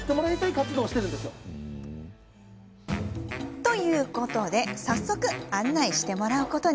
ということで早速、案内してもらうことに。